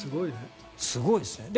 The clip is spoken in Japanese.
すごいですね。